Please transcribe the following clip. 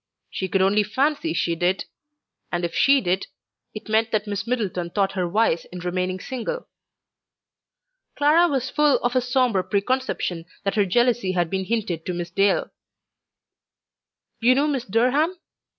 She could only fancy she did; and if she did, it meant that Miss Middleton thought her wise in remaining single. Clara was full of a sombre preconception that her "jealousy" had been hinted to Miss Dale. "You knew Miss Durham?"